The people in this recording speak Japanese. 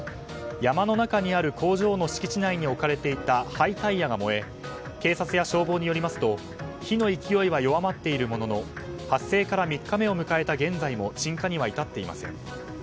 山の中にある工場の敷地内に置かれていた廃タイヤが燃え警察や消防によりますと火の勢いは弱まっているものの発生から３日目を迎えた現在も鎮火には至っていません。